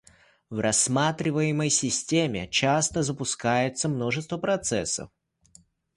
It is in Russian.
В рассматриваемой системе часто запускается множество процессов